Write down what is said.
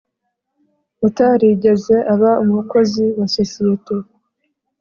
utarigeze aba umukozi wa sosiyete